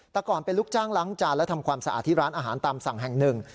แต่ก่อนเป็นลูกจ้างล้างจานและทำความสะอาดที่ร้านอาหารตามสั่งแห่งหนึ่ง